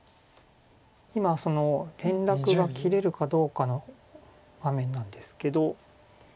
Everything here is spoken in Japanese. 今連絡が切れるかどうかの場面なんですけど。